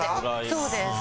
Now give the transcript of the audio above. そうです。